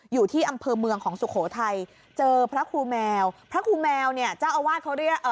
อยู่ที่อำเภอเมืองของสุโขทัยเจอพระครูแมวพระครูแมวเนี่ยเจ้าอาวาสเขาเรียกเอ่อ